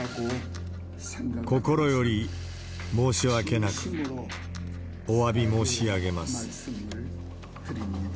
心より申し訳なく、おわび申し上げます。